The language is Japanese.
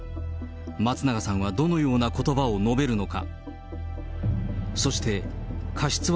松永さんはどのようなことばを述べるのか。